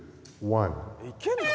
いけんの？